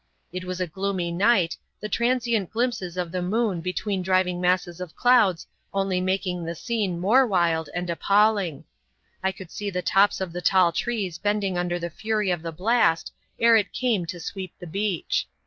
It was a gloomy night, the transient glimpses of the moon between driving masses of clouds only making the scene more wild and appalling. I could see the tops of the tall trees bending under the fury of the blast, ere it came to sweep the beach.